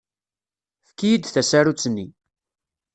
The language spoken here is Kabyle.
Efk-iyi-d tasarut-nni.